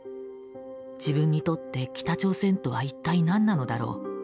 自分にとって北朝鮮とは一体何なのだろう。